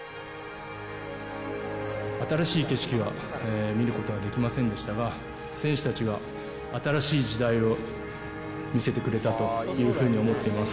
新しい景色は見ることはできませんでしたが、選手たちが新しい時代を見せてくれたというふうに思ってます。